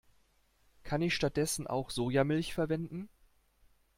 Kann ich stattdessen auch Sojamilch verwenden?